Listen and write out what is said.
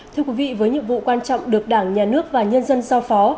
thưa quý vị với nhiệm vụ quan trọng được đảng nhà nước và nhân dân giao phó